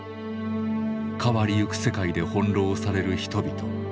変わりゆく世界で翻弄される人々。